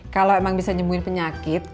kalau emang bisa nyemuin penyakit